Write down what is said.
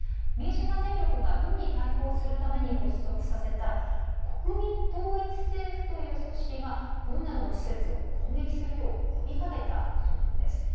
民主派勢力が軍に対抗するために発足させた国民統一政府という組織が軍などの施設を攻撃するよう呼びかけたことなんです。